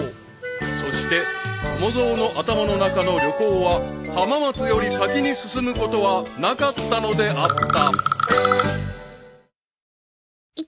［そして友蔵の頭の中の旅行は浜松より先に進むことはなかったのであった］